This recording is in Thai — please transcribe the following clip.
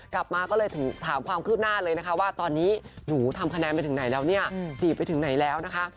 กลับมาก็เลยถามความคืบหน้าเลยนะคะว่าตอนนี้หนูทำคะแนนไปถึงไหนแล้วเนี่ยจีบไปถึงไหนแล้วนะคะ